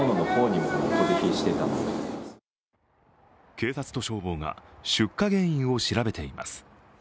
警察と消防が出火原因を調べています。